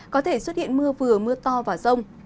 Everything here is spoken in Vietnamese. có thể xuất hiện mưa vừa mưa to và rông